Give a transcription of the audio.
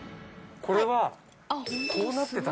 これは。